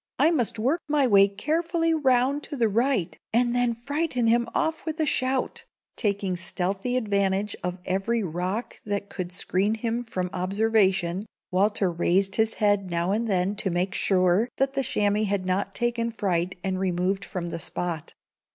"I must work my way carefully round to the right, and then frighten him off with a shout." Taking stealthy advantage of every rock that could screen him from observation, Walter raised his head now and then to make sure that the chamois had not taken fright and removed from the spot.